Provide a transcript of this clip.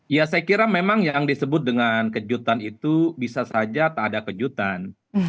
ya saya kira memang yang disebut dengan kejutan itu bisa saja tak ada kejutan